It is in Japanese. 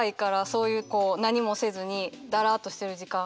そういうこう何もせずにだらっとしてる時間。